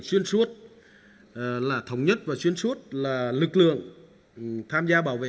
xuyên suốt là thống nhất và xuyên suốt là lực lượng tham gia bảo vệ